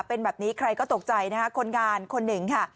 เป็นแบบนี้ใครก็ตกใจนะคะคนงานคนหนึ่งค่ะ